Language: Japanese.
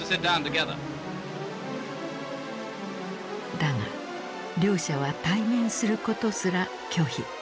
だが両者は対面することすら拒否。